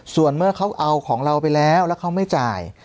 ส่วนเมื่อเขาเอาของเราไปแล้วแล้วเขาไม่จ่าย